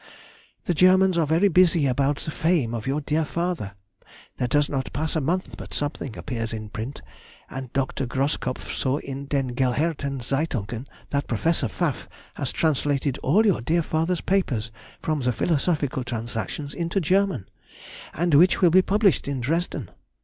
The Germans are very busy about the fame of your dear father; there does not pass a month but something appears in print, and Dr. Groskopf saw in den gelehrten Zeitungen that Professor Pfaff had translated all your dear father's papers from the Phil. Trans. into German, and which will be published in Dresden.